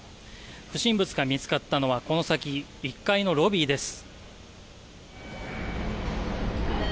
不審物が見つかったのはこの先、１階のロビーです。